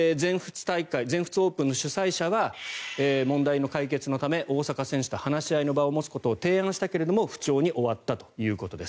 全仏オープンの主催者は問題の解決のため大坂選手と話し合いの場を持つことを提案したけども不調に終わったということです。